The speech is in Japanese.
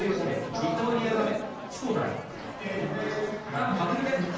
リトアニアが選手交代。